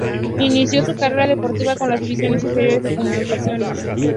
Inicio su carrera deportiva con las divisiones inferiores de Comunicaciones.